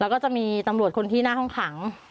แล้วก็จะมีตำรวจคนที่หน้าห้องขัง